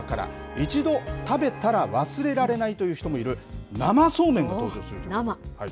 一度食べたら忘れられないという人もいる生そうめんが登場するということです。